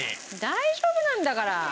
大丈夫なんだから。